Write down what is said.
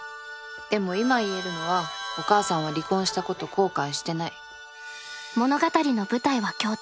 でも今言えるのはお母さんは離婚したこと後悔してない。